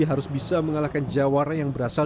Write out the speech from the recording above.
harus bisa mengalahkan jawara yang berasal